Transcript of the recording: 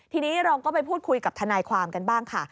ทีนี้เราก็ไปพูดคุยกับทนายความกันบ้างค่ะ